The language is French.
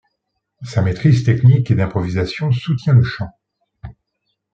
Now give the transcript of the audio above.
Sa maîtrise technique et d’improvisation soutient le chant.